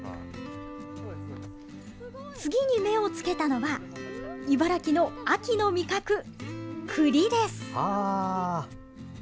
次に目をつけたのは茨城の秋の味覚、くりです。